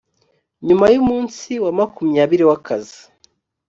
nyuma y umunsi wa makumyabiri w akazi